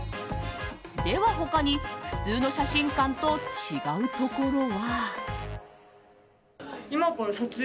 では他に、普通の写真館と違うところは。